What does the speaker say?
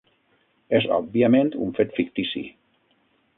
És òbviament un fet fictici.